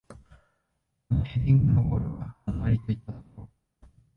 あのヘディングのゴールは技ありといったところ